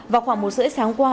vào khoảng một giờ sáng qua